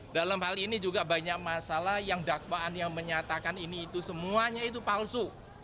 dalam hal ini juga banyak masalah yang dakwaan yang menyatakan ini itu semuanya itu palsu